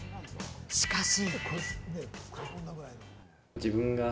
しかし。